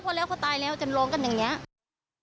จะลงกันอย่างนี้